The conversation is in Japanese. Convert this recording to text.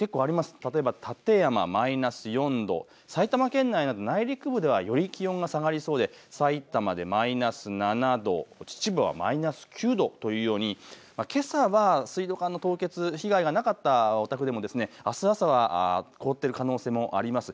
例えば館山マイナス４度、埼玉県内など内陸部ではより気温が下がりそうでさいたまでマイナス７度、秩父はマイナス９度というようにけさは水道管の凍結、被害がなかったお宅でもはあす朝は凍っている可能性もあります。